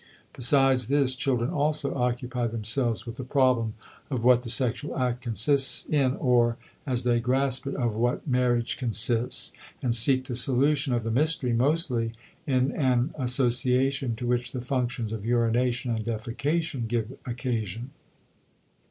Besides this children also occupy themselves with the problem of what the sexual act consists in or, as they grasp it, of what marriage consists, and seek the solution of the mystery mostly in an association to which the functions of urination and defecation give occasion.